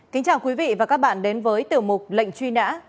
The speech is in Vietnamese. kính chào quý vị và các bạn đến với tiểu mục lệnh truy nã